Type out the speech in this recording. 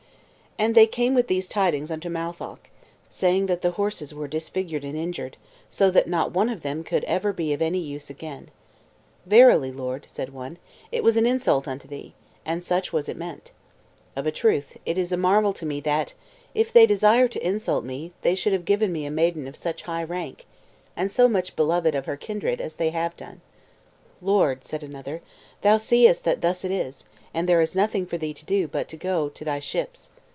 And they came with these tidings unto Matholch, saying that the horses were disfigured and injured, so that not one of them could ever be of any use again. "Verily, lord," said one, "it was an insult unto thee, and as such was it meant." "Of a truth, it is a marvel to me that, if they desire to insult me, they should have given me a maiden of such high rank, and so much beloved of her kindred, as they have done." "Lord," said another, "thou seest that thus it is, and there is nothing for thee to do but to go to thy ships."